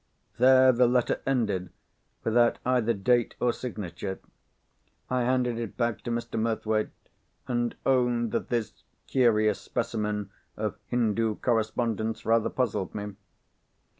There the letter ended, without either date or signature. I handed it back to Mr. Murthwaite, and owned that this curious specimen of Hindoo correspondence rather puzzled me.